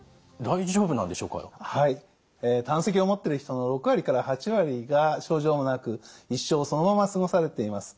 はい胆石を持っている人の６割から８割が症状もなく一生そのまま過ごされています。